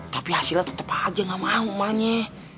tapi hasilnya tetep aja ga mau emahnya